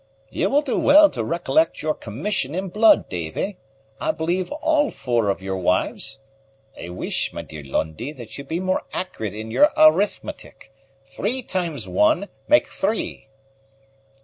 "You will do well to recollect your commission and blood, Davy. I believe all four of your wives " "I wish my dear Lundie, ye'd be more accurate in yer arithmetic. Three times one make three."